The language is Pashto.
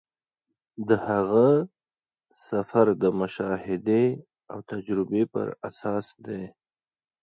د هغه سفر د مشاهدې او تجربې پر اساس دی.